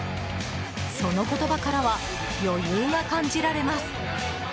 その言葉からは余裕が感じられます。